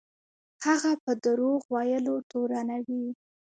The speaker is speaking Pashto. هغه په دروغ ویلو تورنوي.